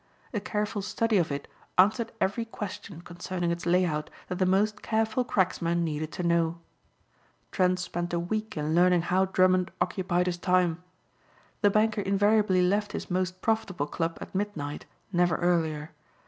A careful study of it answered every question concerning its lay out that the most careful cracksman needed to know. Trent spent a week in learning how Drummond occupied his time. The banker invariably left his most profitable club at midnight, never earlier.